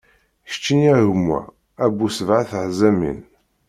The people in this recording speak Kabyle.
Keččini a gma, a bu sebɛa teḥzamin.